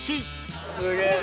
すげえ。